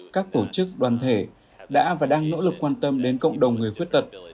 các tổ chức đoàn thể đã và đang nỗ lực quan tâm đến cộng đồng người khuyết tật